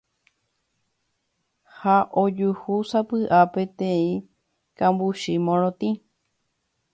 ha ojuhúsapy'a peteĩ kambuchi morotĩ